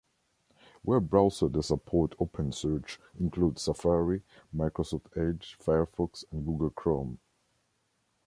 Web browsers that support OpenSearch include Safari, Microsoft Edge, Firefox and Google Chrome.